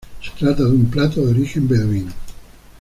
Se trata de un plato de origen beduino.